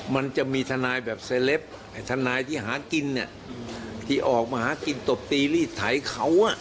มันจะมีทนายแบบเซลปทนายที่หากินเนี่ยที่ออกมาหากินตบตีรีดไถเขา